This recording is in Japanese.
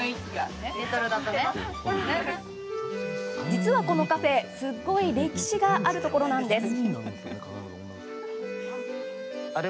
実はこのカフェすっごい歴史があるところなんです。